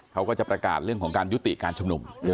เขาก็จะประกาศเรื่องของการยุติการชุมนุม